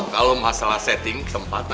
kalau masalah setting tempatnya